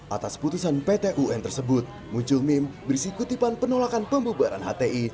atas putusan pt un tersebut muncul meme berisi kutipan penolakan pembubaran hti